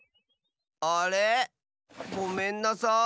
あれごめんなさい。